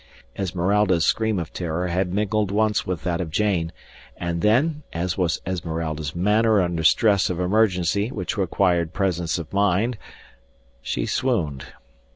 Esmeralda's scream of terror had mingled once with that of Jane, and then, as was Esmeralda's manner under stress of emergency which required presence of mind, she swooned.